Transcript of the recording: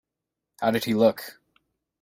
How did he look?